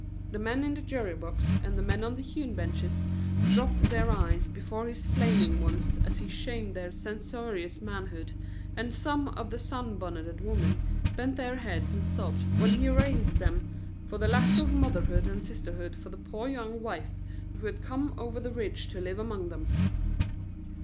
The men in the jury box and the men on the hewn benches dropped their eyes before his flaming ones as he shamed their censorious manhood and some of the sun bonneted women bent their heads and sobbed when he arraigned them for the lack of motherhood and sisterhood for the poor young wife who had come over the Ridge to live among them.